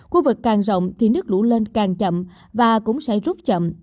khu vực càng rộng thì nước lũ lên càng chậm và cũng sẽ rút chậm